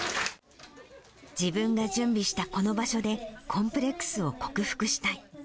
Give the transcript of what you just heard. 自分が準備したこの場所で、コンプレックスを克服したい。